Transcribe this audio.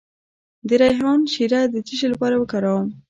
د ریحان شیره د څه لپاره وکاروم؟